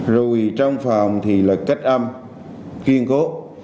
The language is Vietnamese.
rồi trong phòng thì là cách âm kiên cố